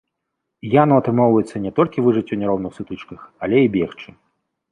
Яну атрымоўваецца не толькі выжыць у няроўных сутычках, але і бегчы.